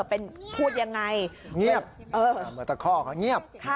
เป็นพูดอย่างไร